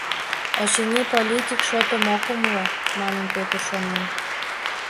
«Очыни, политик шотым ок умыло», — манын, Пӧтыр шонен.